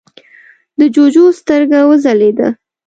د جُوجُو سترګه وځلېده: